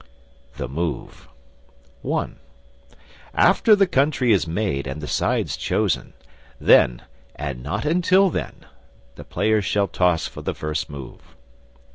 THE MOVE (1) After the Country is made and the sides chosen, then (and not until then) the players shall toss for the first move.